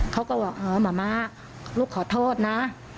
เขาก็บอกอ๋อหมาม้าลูกขอโทษนะ